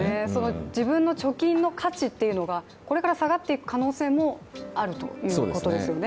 自分の貯金の価値っていうのがこれから下がっていく可能性もあるということですよね？